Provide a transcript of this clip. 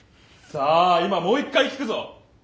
さあ今もう一回聞くぞ。